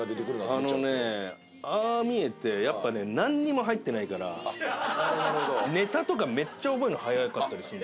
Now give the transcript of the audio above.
あのねああ見えてやっぱねなんにも入ってないからネタとかめっちゃ覚えるの早かったりするの。